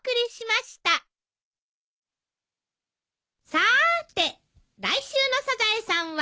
さーて来週の『サザエさん』は？